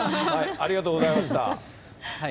ありがとうございます。